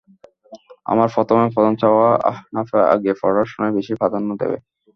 আমার প্রথম এবং প্রধান চাওয়া আহনাফ আগে পড়াশোনায় বেশি প্রাধান্য দেবে।